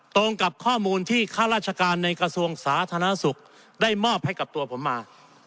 ตรงกับข้อมูลที่ข้าราชการในกระทรวงสาธารณสุขได้มอบให้กับตัวผมมา